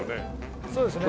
そうですね。